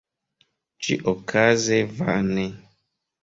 Ĉi-okaze vane.